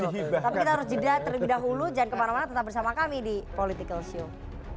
tapi kita harus jelajah terlebih dahulu jangan kemana mana tetap bersama kami di politikalshow